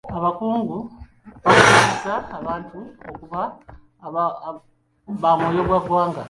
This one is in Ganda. Abakungu baakubirizza abantu okuba bamwoyogwaggwanga.